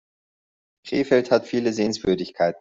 Krefeld hat viele Sehenswürdigkeiten